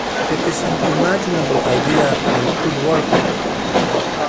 It is an imaginable idea and could work.